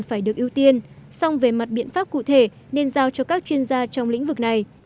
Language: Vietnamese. phải được ưu tiên song về mặt biện pháp cụ thể nên giao cho các chuyên gia trong lĩnh vực này